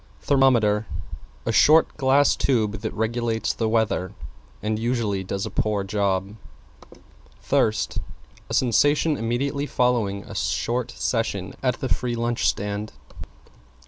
=THERMOMETER= A short, glass tube that regulates the weather and usually does a poor job. =THIRST= A sensation immediately following a short session at the free lunch stand.